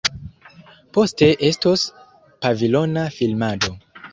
Poste estos pavilona filmado.